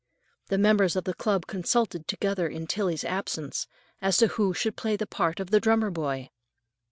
The members of the club consulted together in Tillie's absence as to who should play the part of the drummer boy.